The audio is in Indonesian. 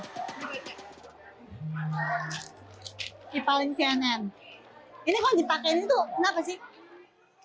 ini kok dipakai ini tuh kenapa sih